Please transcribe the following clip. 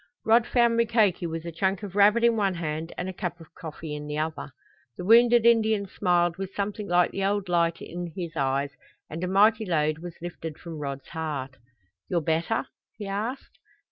Rod found Mukoki with a chunk of rabbit in one hand and a cup of coffee in the other. The wounded Indian smiled with something like the old light in his eyes and a mighty load was lifted from Rod's heart. "You're better?" he asked.